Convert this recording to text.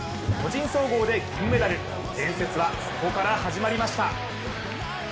個人総合で銀メダル、伝説は、ここから始まりました。